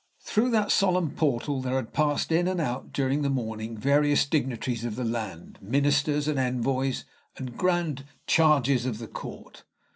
Through that solemn portal there had passed, in and out, during the morning, various dignitaries of the land, ministers and envoys, and grand "chargés" of the Court.